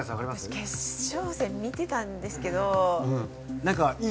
私決勝戦見てたんですけど。